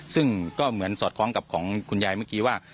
ซึ่งก็เหมือนสอดคล้องกับของคุณยายเมื่อกี้ว่า